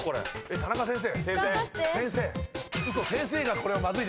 田中先生。